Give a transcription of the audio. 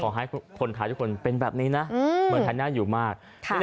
ขอให้คนขาทุกคนเป็นแบบนี้นะเหมือนคันนั้นอยู่มาก